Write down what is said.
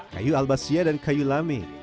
kayu albasia dan kayu lame